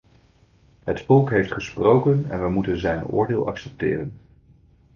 Het volk heeft gesproken en we moeten zijn oordeel accepteren.